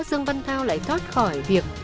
dương văn thao lại thoát khỏi việc